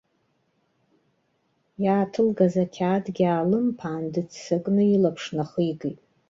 Иааҭылгаз ақьаадгьы аалымԥаан, дыццакны илаԥш нахигеит.